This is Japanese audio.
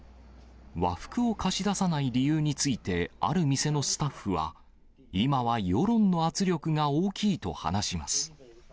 和服を貸し出さない理由について、ある店のスタッフは、今は世論の圧力が大きいと話します。